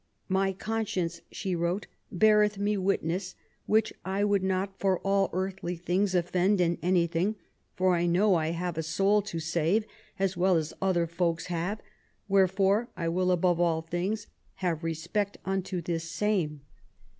" My conscience," she wrote, " beareth me witness, which I would not for all earthly things offend in anything, for I know I have a soul to save, as well as other folks have, wherefore I will above all things have respect unto this same."